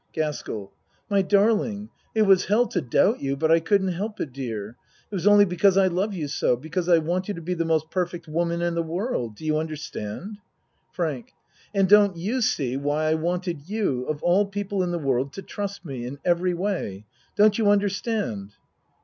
GASKELL My darling! It was hell to doubt you, but I couldn't help it, dear. It was only because I love you so. Because I want you to be the most perfect woman in the world. Do you understand? FRANK And don't you see why I wanted you of all people in the world to trust me in every way? Don't you understand?